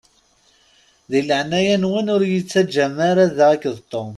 Di leɛnaya-nwen ur yi-ttaǧǧam ara da akked Tom.